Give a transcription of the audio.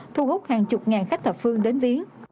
thu hút hàng chục ngàn khách thập phương đến viếng